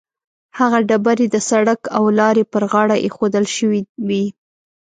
هغه ډبرې د سړک او لارې پر غاړه ایښودل شوې وي.